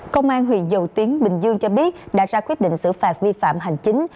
công an huyện dầu tiến bình dương cho biết đã ra quyết định xử phạt vi phạm hành chính